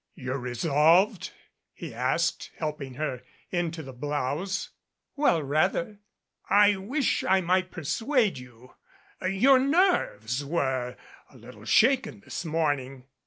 "You're resolved?" he asked, helping her into her blouse. "Well, rather." "I wish I might persuade you your nerves were a little shaken this morning."